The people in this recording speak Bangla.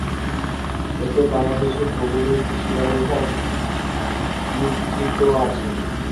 এতে বাংলাদেশের ভৌগোলিক সীমারেখা বিধৃত আছে।